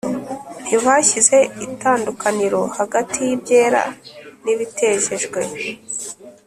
Ntibashyize itandukaniro hagati y’ibyera n’ibitejejwe,